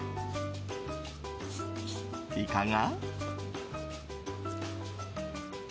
いかが？